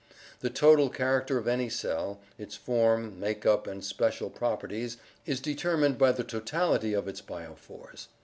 The total character of any cell, its form, make up, and special properties, is determined by the totality of its biophors.